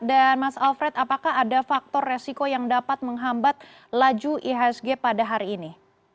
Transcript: dan mas alfred apakah ada faktor resiko yang dapat menghambat laju iasg pada hari ini